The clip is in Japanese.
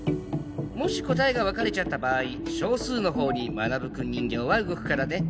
もし答えが分かれちゃった場合少数のほうにマナブくん人形は動くからね。